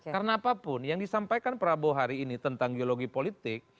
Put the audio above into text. karena apapun yang disampaikan prabowo hari ini tentang geologi politik